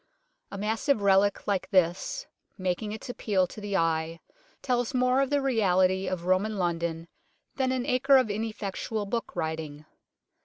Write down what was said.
A massive relic like this, making its appeal to the eye, tells more of the reality of Roman London than an acre of ineffectual book writing.